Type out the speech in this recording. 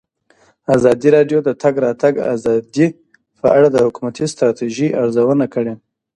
ازادي راډیو د د تګ راتګ ازادي په اړه د حکومتي ستراتیژۍ ارزونه کړې.